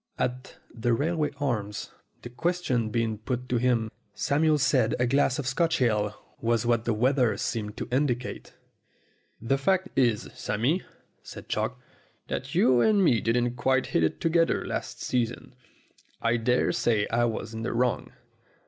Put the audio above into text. At "The Railway Arms," the question being put to 36 STORIES WITHOUT TEARS him, Samuel said a glass of Scotch ale was what the weather seemed to indicate. "The fact is, Sammy," said Chalk, "that you and me didn't quite hit it together last season. I dare say I was in the wrong."